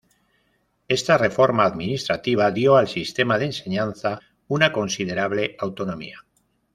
Esta reforma administrativa dio al sistema de enseñanza una considerable autonomía.